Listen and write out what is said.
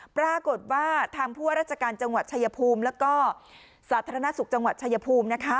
ปรากฏว่าทางผู้ว่าราชการจังหวัดชายภูมิแล้วก็สาธารณสุขจังหวัดชายภูมินะคะ